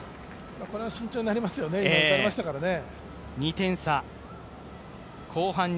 これは慎重になりますよね、今、打たれましたからね。